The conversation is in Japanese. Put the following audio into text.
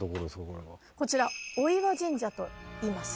これはこちら御岩神社といいます